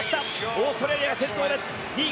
オーストラリアが先頭です。